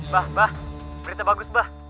bah bah berita bagus bah